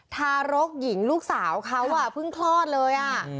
ทารกหญิงลูกสาวเขาเพิ่งคลอดเลย